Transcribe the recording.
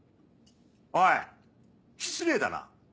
おい失礼だな。